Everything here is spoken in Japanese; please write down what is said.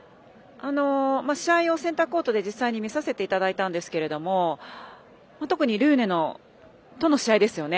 試合をセンターコートで実際に見させていただいたんですが特にルーネとの試合ですよね。